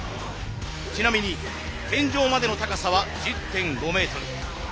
ちなみに天井までの高さは１０．５メートル。